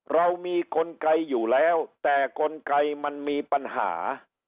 เรามีกลไกอยู่แล้วแต่กลไกมันมีปัญหา